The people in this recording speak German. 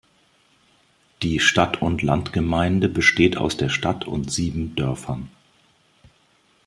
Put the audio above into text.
Die Stadt- und Landgemeinde besteht aus der Stadt und sieben Dörfern.